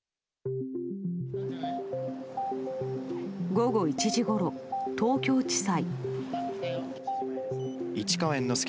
午後１時ごろ、東京地裁。